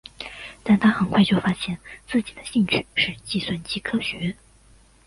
但他很快就发现自己的兴趣是计算机科学。